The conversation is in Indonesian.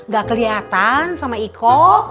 gak keliatan sama iko